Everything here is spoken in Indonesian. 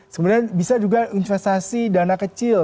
sebenarnya bisa juga investasi dana kecil